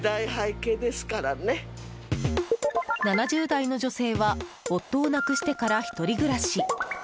７０代の女性は夫を亡くしてから１人暮らし。